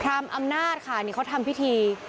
อำนาจค่ะนี่เขาทำพิธี